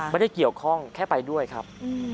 ไม่ได้เกี่ยวข้องแค่ไปด้วยครับ